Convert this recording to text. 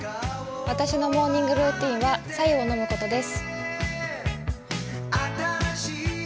私のモーニングルーチンは白湯を飲むことです。